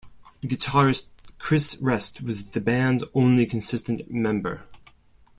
Guitarist Chris Rest was the band's only consistent member.